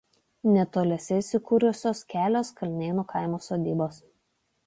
Netoliese įsikūrusios kelios Kalnėnų kaimo sodybos.